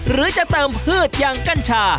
หรือจะเติมพืชอย่างกัญชา